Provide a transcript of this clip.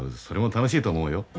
それも楽しいと思うよ。